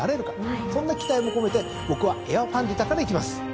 そんな期待も込めて僕はエアファンディタからいきます。